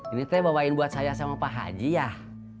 ini teh bawain buat saya sama pak haji yah